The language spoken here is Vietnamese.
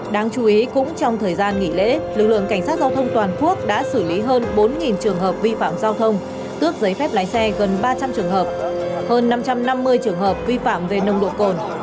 đáng chú ý cũng trong thời gian nghỉ lễ lực lượng cảnh sát giao thông toàn quốc đã xử lý hơn bốn trường hợp vi phạm giao thông tước giấy phép lái xe gần ba trăm linh trường hợp hơn năm trăm năm mươi trường hợp vi phạm về nồng độ cồn